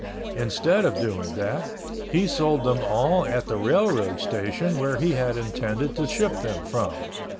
Instead of doing that, he sold them all at the railroad station where he had intended to ship them from.